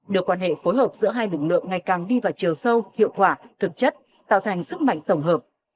đưa quan hệ phối hợp giữa hai lực lượng ngày càng đi vào chiều sâu hiệu quả thực chất tạo thành sức mạnh tổng hợp